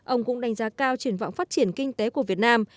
ông cũng đánh giá cao triển vọng phát triển kinh tế của việt nam